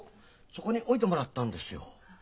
そこに置いてもらったんですよ。